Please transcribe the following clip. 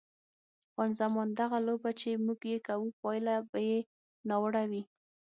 خان زمان: دغه لوبه چې موږ یې کوو پایله به یې ناوړه وي.